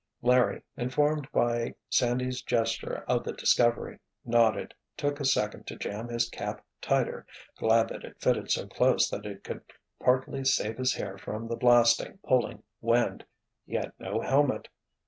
Larry, informed by Sandy's gesture of the discovery, nodded, took a second to jam his cap tighter, glad that it fitted so close that it could partly save his hair from the blasting, pulling wind—he had no helmet!